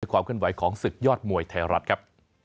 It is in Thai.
ความเคลื่อนไหวของศึกยอดมวยไทยรัฐครับ